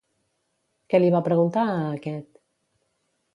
Què li va preguntar a aquest?